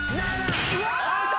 アウト。